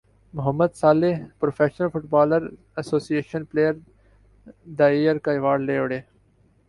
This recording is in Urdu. Muhammad Salah professional footballers association player the year کا ایوارڈ لے اڑے